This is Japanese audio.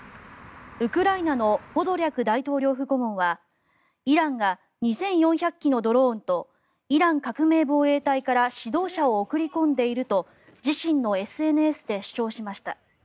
ウクライナのポドリャク大統領府顧問はイランが２４００機のドローンとイラン革命防衛隊から指導者を送り込んでいると自身のＳＮＳで主張しました。